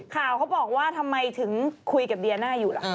ข่าวเขาบอกว่าทำไมถึงคุยกับเดียน่าอยู่ล่ะคะ